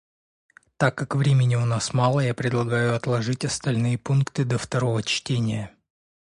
Так как времени у нас мало, я предлагаю отложить остальные пункты до второго чтения.